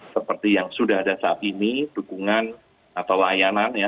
seperti yang sudah ada saat ini dukungan atau layanan ya